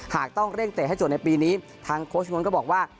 หากต้องเร่งเตะให้จบในปีนี้ทางโค้ชมนต์ก็บอกว่า